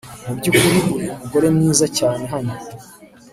Mubyukuri uri umugore mwiza cyane hano